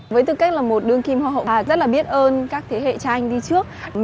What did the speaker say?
với tư cách là một đương kim hoa hậu